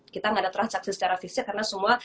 kita nggak ada transaksi secara fisik karena semua